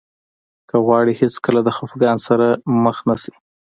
که غواړئ هېڅکله د خفګان سره مخ نه شئ.